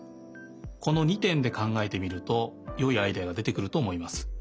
この２てんでかんがえてみるとよいアイデアがでてくるとおもいます。